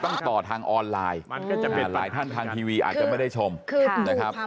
ต้องต่อทางออนไลน์หลายท่านทางทีวีอาจจะไม่ได้ชมนะครับ